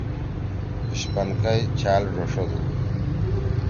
اِشپنکئی چھأل ڙَݜدُو۔